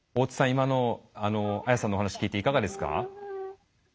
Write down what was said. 今の綾さんのお話を聞いていかがですか？